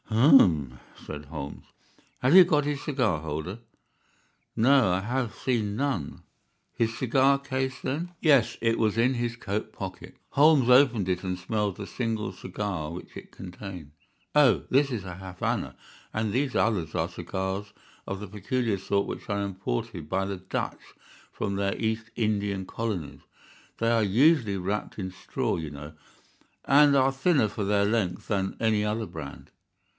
"Hum!" said Holmes, "have you got his cigar holder?" "No, I have seen none." "His cigar case, then?" "Yes, it was in his coat pocket." Holmes opened it and smelled the single cigar which it contained. "Oh, this is a Havana, and these others are cigars of the peculiar sort which are imported by the Dutch from their East Indian colonies. They are usually wrapped in straw, you know, and are thinner for their length than any other brand."